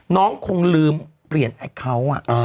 น้องคงลืมเปลี่ยนแอคเคาน์